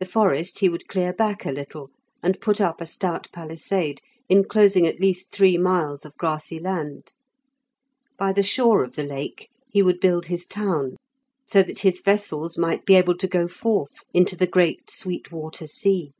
The forest he would clear back a little, and put up a stout palisade, enclosing at least three miles of grassy land. By the shore of the lake he would build his town, so that his vessels might be able to go forth into the great Sweet Water sea.